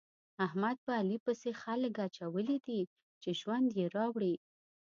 احمد په علي پسې خلګ اچولي دي چې ژوند يې راوړي.